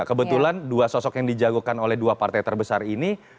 kebetulan dua sosok yang dijagokan oleh dua partai terbesar ini